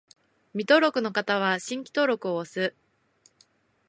未登録の方は、「新規登録する」を押す